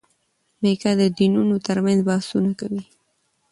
میکا د دینونو ترمنځ بحثونه کوي.